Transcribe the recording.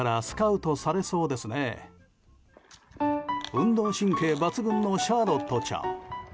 運動神経抜群のシャーロットちゃん。